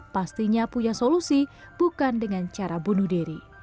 pastinya punya solusi bukan dengan cara bunuh diri